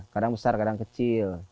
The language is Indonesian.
kadang besar kadang kecil